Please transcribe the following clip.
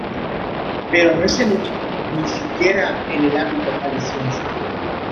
Pero no es el único, ni siquiera en el ámbito jalisciense.